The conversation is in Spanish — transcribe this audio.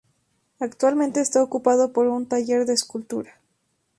Actualmente está ocupado por un taller de escultura.